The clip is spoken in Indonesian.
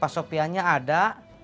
pak sopianya ada